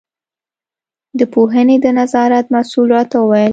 د پوهنې د نظارت مسوول راته وویل.